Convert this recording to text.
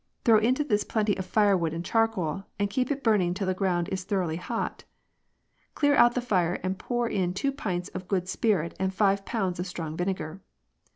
Throw into this plenty of firewood and charcoal, and keep it burning till the ground is tho roughly hot. Clear out the fire and pour in two pints of good spirit and five pounds of strong vinegar.